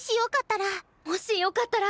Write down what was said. もしよかったら。